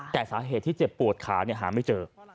แต่สาเหตุที่เจ็บปวดขาหาไม่เจอ